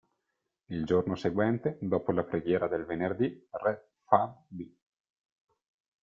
Il giorno seguente, dopo la preghiera del venerdì, re Fahd b.